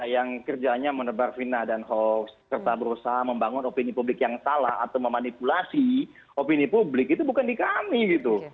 yang kerjanya menebar fitnah dan hoax serta berusaha membangun opini publik yang salah atau memanipulasi opini publik itu bukan di kami gitu